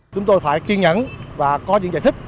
chúng tôi phải kiên nhẫn và có những giải thích